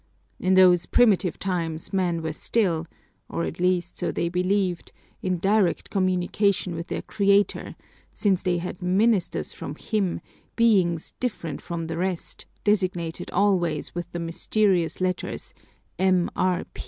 In those primitive times men were still (or at least so they believed) in direct communication with their Creator, since they had ministers from Him, beings different from the rest, designated always with the mysterious letters "M. R.